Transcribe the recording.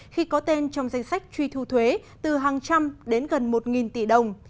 khi có tên trong danh sách truy thu thuế từ hàng trăm đến gần một tỷ đồng